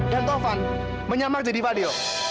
dan taufan menyamar jadi fadil